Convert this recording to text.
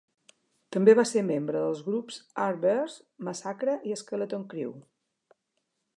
També va ser membre dels grups Art Bears, Massacre i Skeleton Crew.